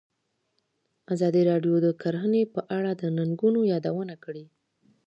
ازادي راډیو د کرهنه په اړه د ننګونو یادونه کړې.